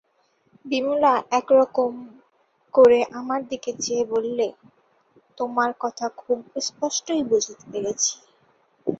বিমলা এক-রকম করে আমার দিকে চেয়ে বললে, তোমার কথা খুব স্পষ্টই বুঝতে পেরেছি।